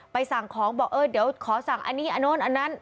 สั่งของบอกเออเดี๋ยวขอสั่งอันนี้อันโน้นอันนั้น